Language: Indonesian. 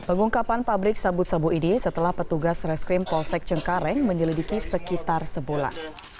pengungkapan pabrik sabu sabu ini setelah petugas reskrim polsek cengkareng menyelidiki sekitar sebulan